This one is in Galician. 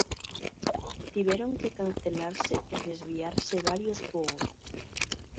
Tiveron que cancelarse e desviarse varios voos.